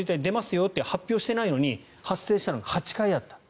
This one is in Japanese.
よって発表をしていないのに発生したのが８回あった。